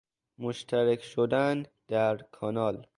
مشترک شدن در کانال